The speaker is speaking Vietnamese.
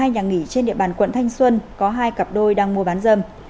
hai nhà nghỉ trên địa bàn quận thanh xuân có hai cặp đôi đang mua bán dâm